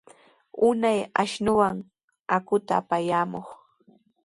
Unay ashnuwan aquta apayamuq.